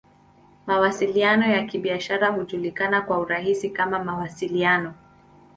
Mawasiliano ya Kibiashara hujulikana kwa urahisi kama "Mawasiliano.